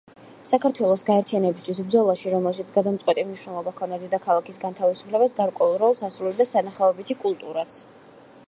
საქართველოს გაერთიანებისათვის ბრძოლაში, რომელშიც გადამწყვეტი მნიშვნელობა ჰქონდა დედაქალაქის განთავისუფლებას, გარკვეულ როლს ასრულებდა სანახაობითი კულტურაც.